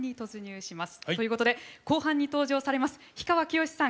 ということで後半に登場されます氷川きよしさん